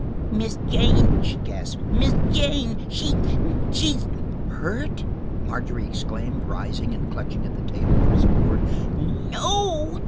"Miss Jane," she gasped, "Miss Jane, she's–she's–" "Hurt!" Margery exclaimed, rising and clutching, at the table for support. "No.